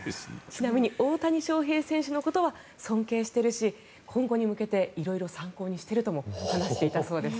ちなみに大谷翔平選手のことは尊敬しているし今後に向けて色々参考にしているとも話していたそうです。